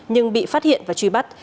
nhưng bị phát hiện và truy bắt